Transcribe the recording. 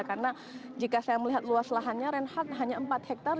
karena jika saya melihat luas lahannya rehat hanya empat hektare